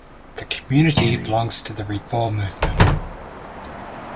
The community belongs to the Reform movement.